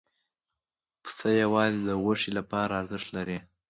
پسه یوازې د غوښې لپاره ارزښت لري.